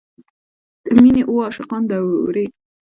د مینې اوه عاشقانه دورې.